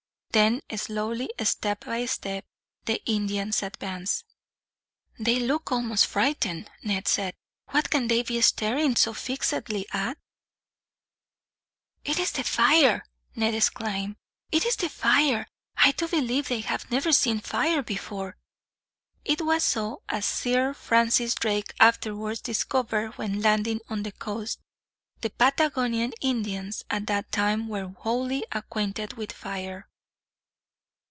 Then slowly, step by step, the Indians advanced. "They look almost frightened," Ned said. "What can they be staring so fixedly at?" "It is the fire!" Ned exclaimed. "It is the fire! I do believe they have never seen a fire before." It was so, as Sir Francis Drake afterwards discovered when landing on the coast. The Patagonian Indians, at that time, were wholly unacquainted with fire.